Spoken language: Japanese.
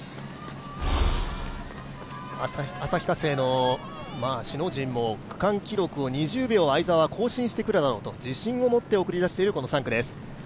旭化成の首脳陣も相澤は区間記録を２０秒更新してくるだろうと、自信を持って送り出しているこの３区です。